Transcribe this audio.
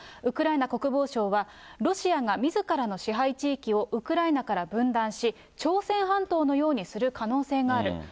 ウクライナ国防省は、ロシアがみずからの支配地域をウクライナから分断し、朝鮮半島のようにする可能性がある。